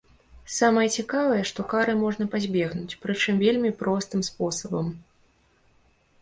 Самае цікавае, што кары можна пазбегнуць, прычым вельмі простым спосабам.